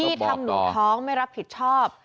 ที่ทำหนูท้องไม่รับผิดชอบ